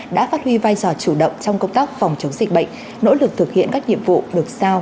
đã phát huy vai trò chủ động trong công tác phòng chống dịch bệnh nỗ lực thực hiện các nhiệm vụ được sao